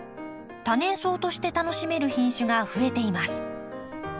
多年草として楽しめる品種が増えています。